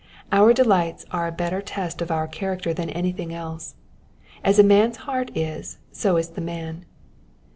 Our delights are a better test of our character than anything else : as a man's heart is, so is the man.